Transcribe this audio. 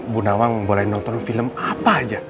bu nawang boleh nonton film apa aja